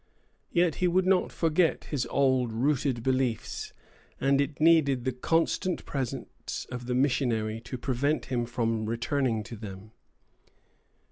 Yet he would not forget his old rooted beliefs, and it needed the constant presence of the missionary to prevent him from returning to them.